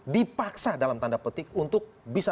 dipaksa dalam tanda petik untuk bisa